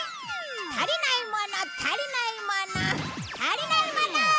足りないもの足りないもの足りないもの！